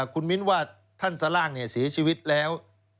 คุณมิ้นว่าท่านสล่างเสียชีวิตแล้ว